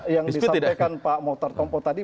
yang disampaikan pak mohtarto tadi